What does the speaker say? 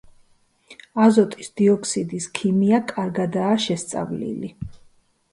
აზოტის დიოქსიდის ქიმია კარგადაა შესწავლილი.